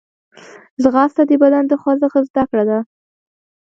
ځغاسته د بدن د خوځښت زدهکړه ده